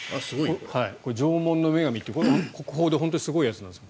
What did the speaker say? これ、縄文の女神って国宝で本当にすごいやつなんです。